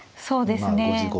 そうですね。